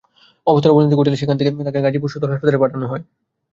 অবস্থার অবনতি ঘটলে সেখান থেকে তাঁকে গাজীপুর সদর হাসপাতালে পাঠানো হয়।